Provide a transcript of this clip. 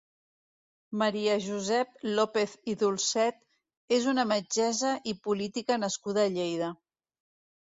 Maria Josep López i Dolcet és una metgessa i política nascuda a Lleida.